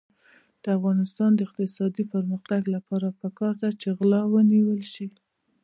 د افغانستان د اقتصادي پرمختګ لپاره پکار ده چې غلا ونیول شي.